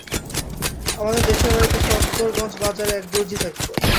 আমাদের দেশের বাড়িতে সফদরগঞ্জ বাজারে এক দরজি থাকত।